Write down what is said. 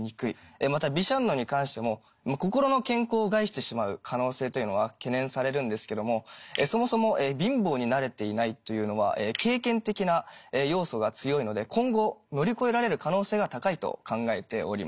またビシャンノに関しても心の健康を害してしまう可能性というのは懸念されるんですけどもそもそも貧乏に慣れていないというのは経験的な要素が強いので今後乗り越えられる可能性が高いと考えております。